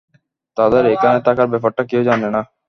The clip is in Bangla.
তাদের এখানে থাকার ব্যাপারটা কেউ জানে না।